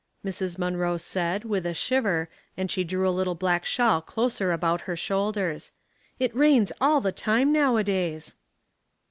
Mrs. Manroe 1^ ||j|p said, with a shiver, and she drew a little ^^4^ black shawl closer about her shoulders. ^^" It rains all the time nowdays."